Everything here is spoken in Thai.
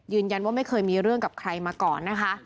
ยืนยันว่าไม่เคยมีเรื่องกับใครมาก่อนนะคะ